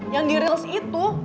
yang di reels itu